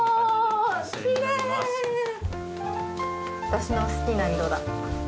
私の好きな色だ。